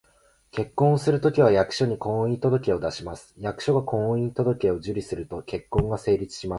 結婚をするときは、役所に「婚姻届」を出します。役所が「婚姻届」を受理すると、結婚が成立します